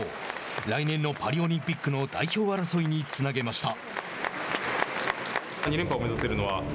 来年のパリオリンピックの代表争いにつなげました。